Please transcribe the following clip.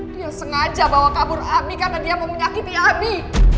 dia sengaja bawa kabur api karena dia mau menyakiti api